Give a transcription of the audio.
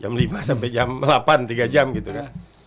jam lima sampai jam delapan tiga jam gitu kan